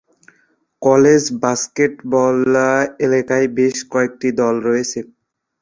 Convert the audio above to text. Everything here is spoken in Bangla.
কলেজ বাস্কেটবল এলাকায় বেশ কয়েকটি দল রয়েছে।